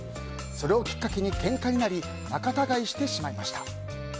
それをきっかけにけんかになり仲たがいしてしまいました。